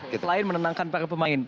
selain menenangkan para pemain